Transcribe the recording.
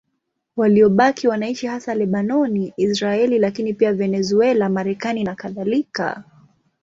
Waliobaki wanaishi hasa Lebanoni, Israeli, lakini pia Venezuela, Marekani nakadhalika.